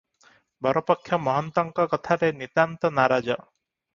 ବରପକ୍ଷ ମହନ୍ତଙ୍କ କଥାରେ ନିତାନ୍ତ ନାରାଜ ।